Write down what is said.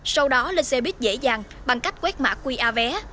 sau đó lên xe buýt dễ dàng bằng cách quét mã qr vé